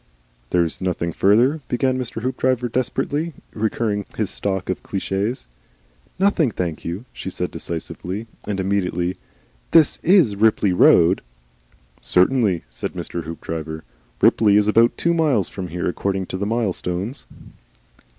"There's nothing further," began Mr. Hoopdriver desperately, recurring to his stock of cliches. "Nothing, thank you," she said decisively. And immediately, "This IS the Ripley road?" "Certainly," said Mr. Hoopdriver. "Ripley is about two miles from here. According to the mile stones."